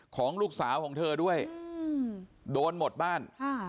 ของลูกสาวของเธอด้วยโดนหมดบ้าน